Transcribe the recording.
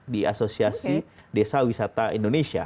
di asosiasi desa wisata indonesia